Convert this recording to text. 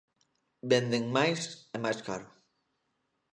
Venden máis e máis caro.